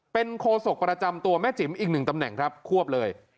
เป็นโคศกประจำตัวแม่จิ๋มอีกหนึ่งตำแหน่งครับควบเลย